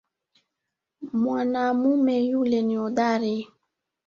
Mwanamume yule ni hodari